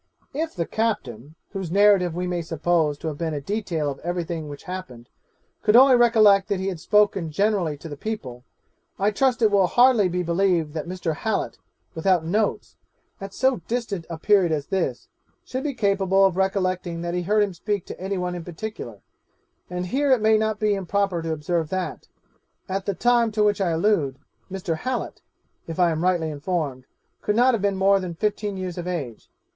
'If the captain, whose narrative we may suppose to have been a detail of every thing which happened, could only recollect that he had spoken generally to the people, I trust it will hardly be believed that Mr. Hallet, without notes, at so distant a period as this, should be capable of recollecting that he heard him speak to any one in particular; and here it may not be improper to observe that, at the time to which I allude, Mr. Hallet (if I am rightly informed) could not have been more than fifteen years of age.